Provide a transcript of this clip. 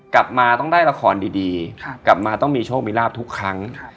กลับมาต้องได้ละครดีดีครับกลับมาต้องมีโชคมีราภทุกครั้งครับ